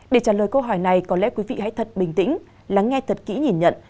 để trả lời câu hỏi này có lẽ quý vị hãy thật bình tĩnh lắng nghe thật kỹ nhìn nhận